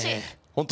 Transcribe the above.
本当